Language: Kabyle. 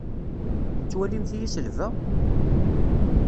Tettwalimt-iyi selbeɣ?